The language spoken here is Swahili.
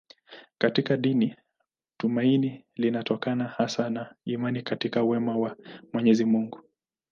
Katika dini tumaini linatokana hasa na imani katika wema wa Mwenyezi Mungu.